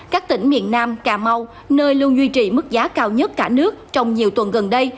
các tỉnh miền nam cà mau nơi luôn duy trì mức giá cao nhất cả nước trong nhiều tuần gần đây